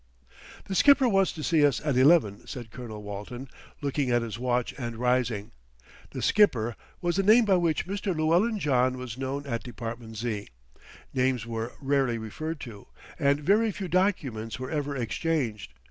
"The Skipper wants to see us at eleven," said Colonel Walton, looking at his watch and rising. The "Skipper" was the name by which Mr. Llewellyn John was known at Department Z. Names were rarely referred to, and very few documents were ever exchanged.